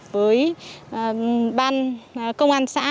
với ban công an xã